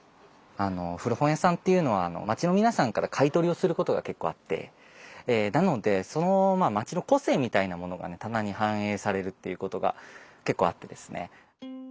古本屋さんっていうのは街の皆さんから買い取りをすることが結構あってなのでその街の個性みたいなものがね棚に反映されるっていうことが結構あってですね。